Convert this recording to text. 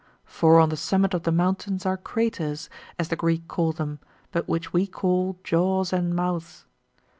For on the summit of the mountain are craters, as the Greek call them, but which we call jaws and mouths.